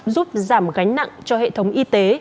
giúp giảm gánh nặng cho hệ thống y tế